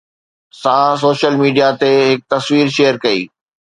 سان social media تي هڪ تصوير شيئر ڪئي